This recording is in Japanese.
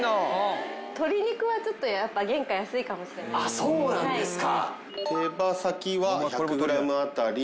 あっそうなんですか。